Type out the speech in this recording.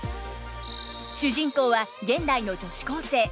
主人公は現代の女子高生。